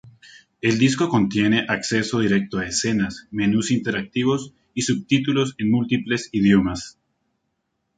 El disco contiene acceso directo a escenas, menús interactivos y subtítulos en múltiples idiomas.